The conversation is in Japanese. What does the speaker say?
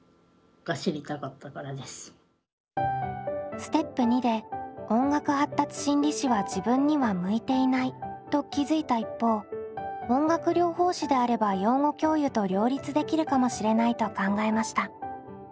ステップ②で音楽発達心理士は自分には向いていないと気付いた一方音楽療法士であれば養護教諭と両立できるかもしれないと考えました。